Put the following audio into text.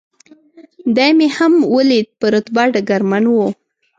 دی مې هم ولید، په رتبه ډګرمن و.